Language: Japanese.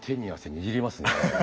握りますね。